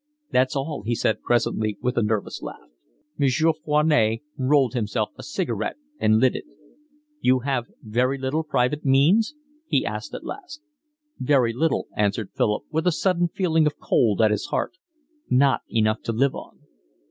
"That's all," he said presently, with a nervous laugh. Monsieur Foinet rolled himself a cigarette and lit it. "You have very little private means?" he asked at last. "Very little," answered Philip, with a sudden feeling of cold at his heart. "Not enough to live on."